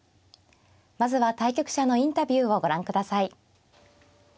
まずは対局者のインタビューをご覧ください。